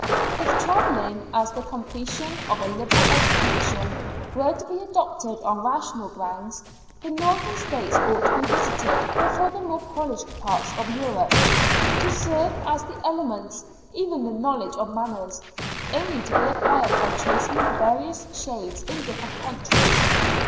If travelling, as the completion of a liberal education, were to be adopted on rational grounds, the northern states ought to be visited before the more polished parts of Europe, to serve as the elements even of the knowledge of manners, only to be acquired by tracing the various shades in different countries.